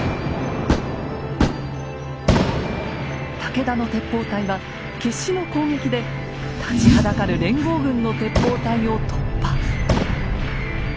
武田の鉄砲隊は決死の攻撃で立ちはだかる連合軍の鉄砲隊を突破。